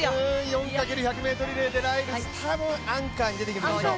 ４×１００ｍリレーでライルズ、多分アンカーで出てくるでしょう。